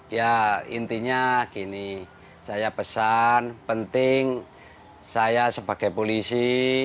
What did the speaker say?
ya intinya gini saya pesan penting saya sebagai polisi